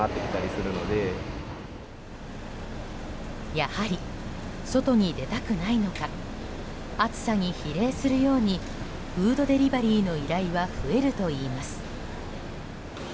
やはり、外に出たくないのか暑さに比例するようにフードデリバリーの依頼は増えるといいます。